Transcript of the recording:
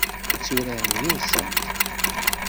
Ad uraren yid-sent?